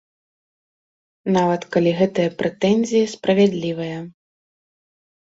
Нават, калі гэтыя прэтэнзіі справядлівыя.